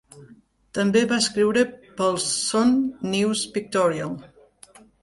També va escriure per al Sun News Pictorial.